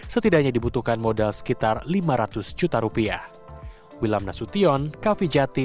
setidaknya dibutuhkan modal sekitar lima ratus juta rupiah